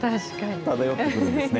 漂ってくるんですね。